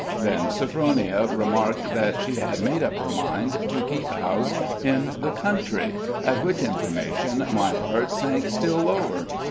Then Sophronia remarked that she had made up her mind to keep house in the country, at which information my heart sank still lower.